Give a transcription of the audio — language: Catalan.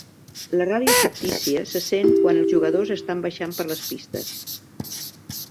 La ràdio fictícia se sent quan els jugadors estan baixant per les pistes.